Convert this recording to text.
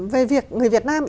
về việc người việt nam